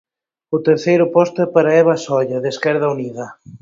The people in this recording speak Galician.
O terceiro posto é para Eva Solla, de Esquerda Unida.